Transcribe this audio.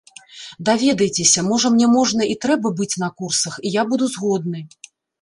Даведайцеся, можа, мне можна і трэба быць на курсах, і я буду згодны.